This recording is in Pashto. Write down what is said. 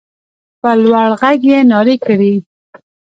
په لوړ غږ يې نارې کړې.